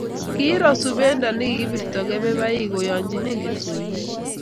Kiiro subendo nekibirto kebebaik koyonchini kipsoiywet